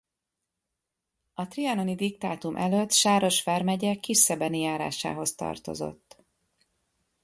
A trianoni diktátum előtt Sáros vármegye Kisszebeni járásához tartozott.